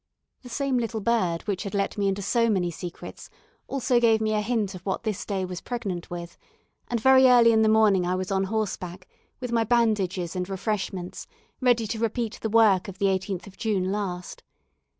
The same little bird which had let me into so many secrets, also gave me a hint of what this day was pregnant with; and very early in the morning I was on horseback, with my bandages and refreshments, ready to repeat the work of the 18th of June last.